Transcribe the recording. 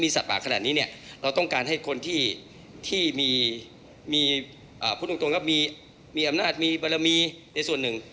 ไม่มีสัตว์ป่าขนาดนี้เนี่ยเราต้องการให้คนที่ที่มีมีอ่าพูดตรงตรงครับมีมีอำนาจมีปรมีในส่วนหนึ่ง